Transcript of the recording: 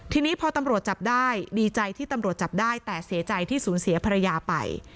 ทีนี้พอตำรวจจับได้ดีใจที่ตำรวจจับได้แต่เสียใจที่สูญเสียภรรยาไป